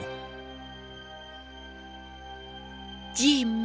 kenapa aku merasa seolah olah aku mengenalmu